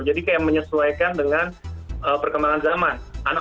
jadi kayak menyesuaikan dengan perkembangan zaman